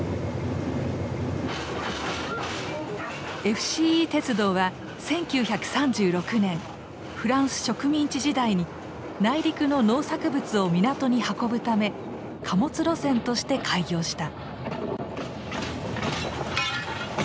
ＦＣＥ鉄道は１９３６年フランス植民地時代に内陸の農作物を港に運ぶため貨物路線として開業した。